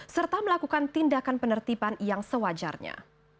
serta melakukan tindakan penertiban yang sewajarnya